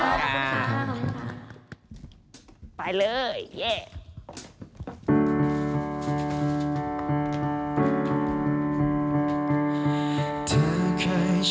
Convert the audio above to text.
ขอบคุณค่ะ